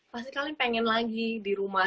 pasti kalian pengen lagi di rumah